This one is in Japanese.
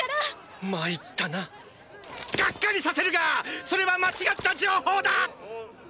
参ったなガッカリさせるがそれは間違った情報だ！